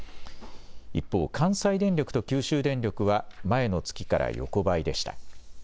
一方、関西電力と九州電力は前の月から横ばいでした。